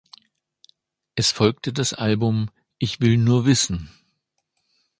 Es folgte das Album "Ich will nur wissen".